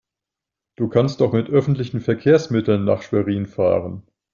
Du kannst doch mit öffentlichen Verkehrsmitteln nach Schwerin fahren